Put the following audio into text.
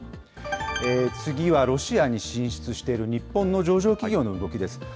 次はロシアに進出している日本の上場企業の動きです。